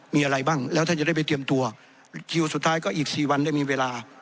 มีอะไรบ้างแล้วท่านจะได้ไปเตรียมตัวคิวสุดท้ายก็อีกสี่วันได้มีเวลา